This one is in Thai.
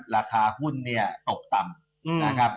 ราคาหุ้นเนี่ยตกต่ำนะครับ